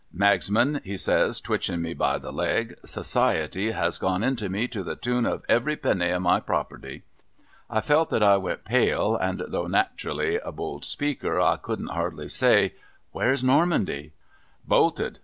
' Magsman,' he says, twitchin me by the leg, ' Society has gone into me, to the tune of every penny of my property.' I felt that I went pale, and though nat'rally a bold speaker, I couldn't hardly say, ' Where's Normandy? '' Bolted.